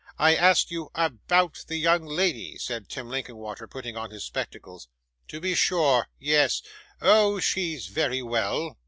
I asked you ' 'About the young lady,' said Tim Linkinwater, putting on his spectacles. 'To be sure. Yes. Oh! she's very well.